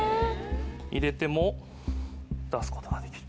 入れても出すことができる。